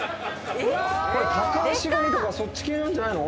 これタカアシガニとかそっち系なんじゃないの？